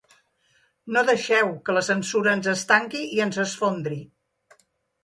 No deixeu que la censura ens estanqui i ens esfondri.